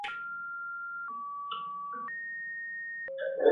这也是唯一一首未收录进录音室专辑或精选集中的曲目。